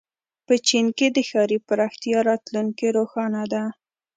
په چین کې د ښاري پراختیا راتلونکې روښانه ده.